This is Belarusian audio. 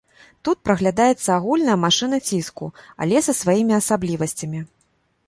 Тут праглядаецца агульная машына ціску, але са сваімі асаблівасцямі.